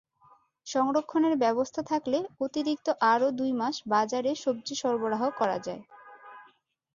সংরক্ষণের ব্যবস্থা থাকলে অতিরিক্ত আরও দুই মাস বাজারে সবজি সরবরাহ করা যায়।